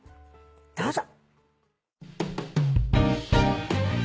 どうぞ。